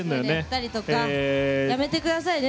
やめてくださいね。